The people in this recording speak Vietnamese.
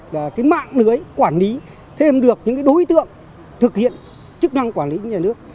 mạng lưới quản lý thêm được những đối tượng thực hiện chức năng quản lý nhà nước